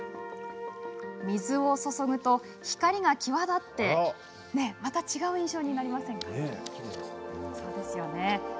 水を注ぐと、光が際立ってまた違う印象になりませんか？